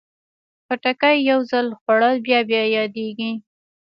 خټکی یو ځل خوړل بیا بیا یادېږي.